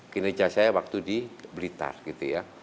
kinerja saya waktu di blitar gitu ya